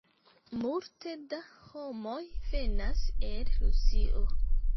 Multe da homoj venas el Rusio.